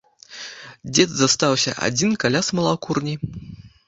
Дзед застаўся адзін каля смалакурні.